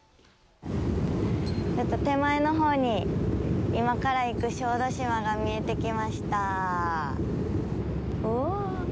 手前のほうに今から行く小豆島が見えてきました。